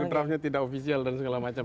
draftnya tidak ofisial dan segala macam